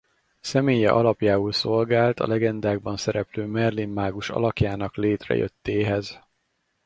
Személye alapjául szolgált a legendákban szereplő Merlin mágus alakjának létrejöttéhez.